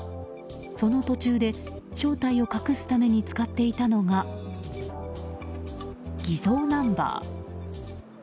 その途中で正体を隠すために使っていたのが偽造ナンバー。